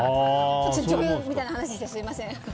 女優みたいな話してすみません。